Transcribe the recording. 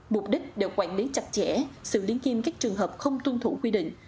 mục đích đều quản lý chặt chẽ xử lý kiêm các trường hợp không tuân thủ quy định